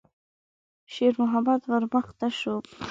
شېرمحمد ور مخته شو.